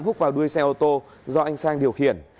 hút vào đuôi xe ô tô do anh sang điều khiển